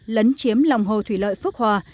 lấn chiếm lòng hồ thủy lợi phước hòa